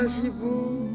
terima kasih bu